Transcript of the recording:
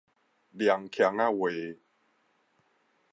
涼腔仔話